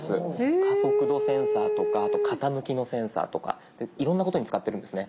加速度センサーとか傾きのセンサーとかいろんなことに使ってるんですね。